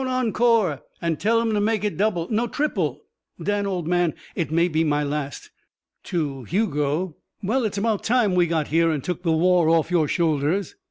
Encore!_ An' tell him to make it double no, triple Dan, old man. It may be my last." To Hugo: "Well, it's about time we got here an' took the war off your shoulders.